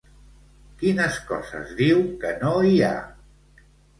Quines coses diu que no hi ha?